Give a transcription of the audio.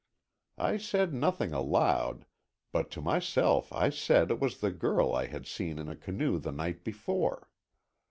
I said nothing aloud, but to myself I said it was the girl I had seen in a canoe the night before.